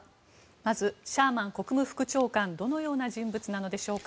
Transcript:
まず、シャーマン国務副長官どのような人物なのでしょうか。